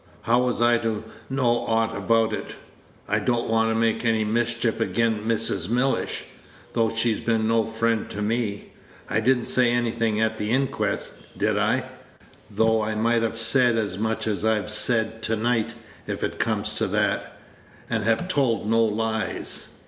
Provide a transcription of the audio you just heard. How was I to know aught about it? I don't want to make any mischief agen Mrs. Mellish, though she's been no friend to me. I did n't say anything at the inquest, did I? though I might have said as much as I've said tonight, if it comes to that, and have told no lies.